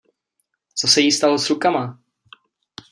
Co se jí stalo s rukama?